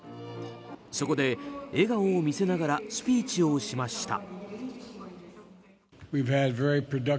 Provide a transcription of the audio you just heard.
そこで笑顔を見せながらスピーチをしました。